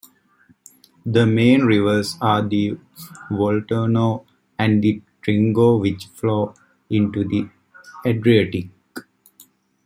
The main rivers are the Volturno and the Trigno which flow into the Adriatic.